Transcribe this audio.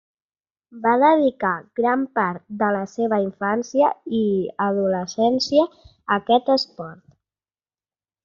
Va dedicar gran part de la seva infància i adolescència a aquest esport.